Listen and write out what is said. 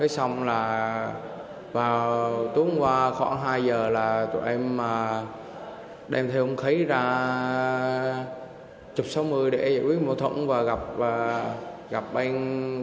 xong là vào tuần qua khoảng hai giờ là tụi em đem theo hung khí ra chụp sáu mươi để giải quyết mâu thuẫn